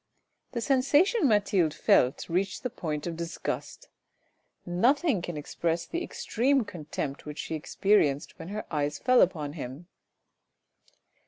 The sensation Mathilde felt reached the point of disgust ; nothing can express the extreme contempt which she experienced when her eyes fell upon him.